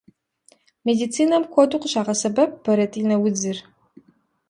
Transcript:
Медицинэм куэду къыщагъэсэбэп бэрэтӏинэ удзыр.